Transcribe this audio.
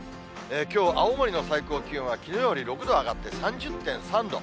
きょう、青森の最高気温はきのうより６度上がって３０．３度。